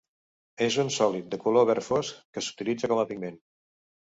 És un sòlid de color verd fosc que s'utilitza com a pigment.